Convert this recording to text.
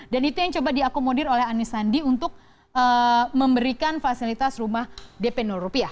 dan itu yang coba diakomodir oleh anisandi untuk memberikan fasilitas rumah dp rupiah